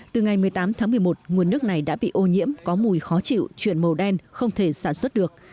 từ ngày một mươi tám tháng một mươi một nguồn nước này đã bị ô nhiễm có mùi khó chịu chuyển màu đen không thể sản xuất được